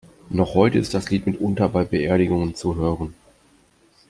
Noch heute ist das Lied mitunter bei Beerdigungen zu hören.